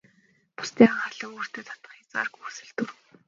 Бусдын анхаарлыг өөртөө татах хязгааргүй хүсэл төрөв.